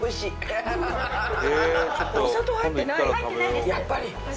やっぱり。